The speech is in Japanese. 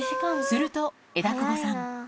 すると、枝久保さん。